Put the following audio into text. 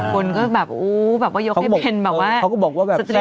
คนก็แบบโอ๊ยยกให้เป็นแบบว่า